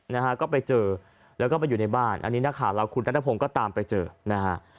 นะฮะก็ไปเจอแล้วก็ไปอยู่ในบ้านอันนี้นักข่าวเราคุณนัทพงศ์ก็ตามไปเจอนะฮะ